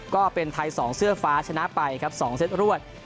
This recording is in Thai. ก็เป็นไทย๒เสื้อฟ้าชนะไปครับ๒เซตรวด